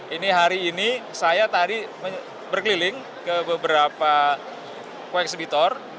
ini hari ini saya tadi berkeliling ke beberapa koeksibitor